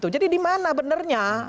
jadi dimana benernya